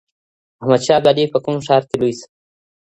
احمد شاه ابدالي په کوم ښار کي لوی سو؟